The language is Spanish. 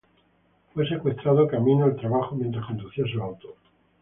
Fue secuestrado camino al trabajo, mientras conducía su auto.